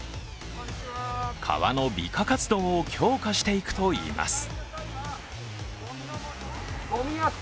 川の美化活動を強化していくといいます。